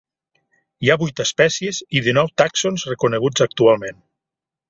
Hi ha vuit espècies i dinou tàxons reconeguts actualment.